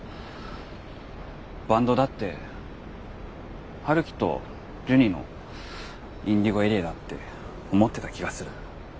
バンドだって陽樹とジュニのＩｎｄｉｇｏＡＲＥＡだって思ってた気がする。